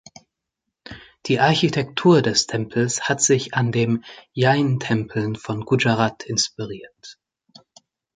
Die Architektur des Tempels hat sich an den Jain-Tempeln von Gujarat inspiriert.